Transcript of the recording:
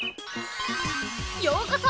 ようこそ！